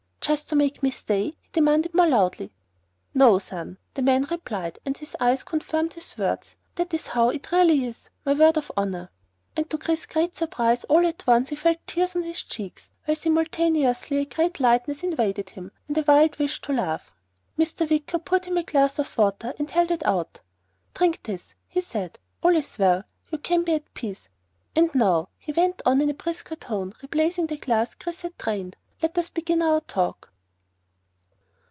"Just to make me stay?" he demanded more loudly. "No, son," the man replied, and his eyes confirmed his words. "That is how it really is. My word of honor." And to Chris's great surprise, all at once he felt tears on his cheeks while simultaneously a great lightness invaded him, and a wild wish to laugh. Mr. Wicker poured him a glass of water and held it out. "Drink this," he said. "All is well. You can be at peace. And now," he went on in a brisker tone, replacing the glass Chris had drained, "let us begin our talk."